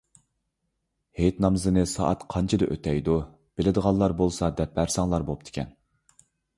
ھېيت نامىزىنى سائەت قانچىدە ئۆتەيدۇ؟ بىلىدىغانلار بولسا دەپ بەرسەڭلار بوپتىكەن.